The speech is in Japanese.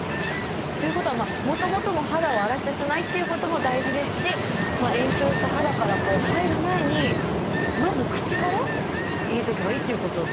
ということはもともとの肌を荒れさせないっていうことも大事ですし炎症した肌から入る前にまず口から入れておけばいいっていうことですよね。